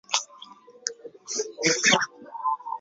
后工作于德商爱礼司洋行宁波经销行美益颜料号。